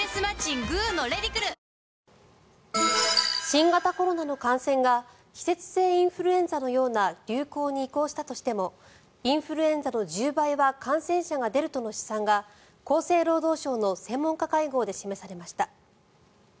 新型コロナの感染が季節性インフルエンザのような流行に移行したとしてもインフルエンザの１０倍は感染者が出るとの試算が厚生労働省の専門家会合で示されました。